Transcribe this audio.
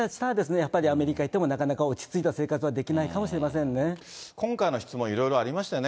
やっぱりアメリカ行っても、なかなか落ち着いた生活はできないか今回の質問は、いろいろありましたよね。